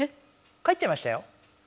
帰っちゃいましたよ。